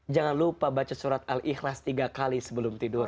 jangan lupa baca surat al ikhlas tiga kali sebelum tidur